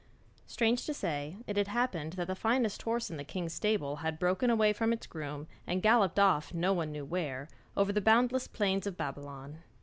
Strange to say, it had happened that the finest horse in the king's stable had broken away from its groom and galloped off no one knew where, over the boundless plains of Babylon.